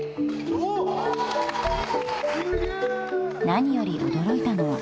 ［何より驚いたのは］